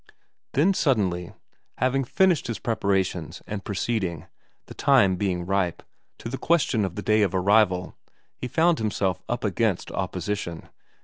Then suddenly, having finished his preparations and proceeding, the time being ripe, to the question of the day of arrival, he found himself up against opposition.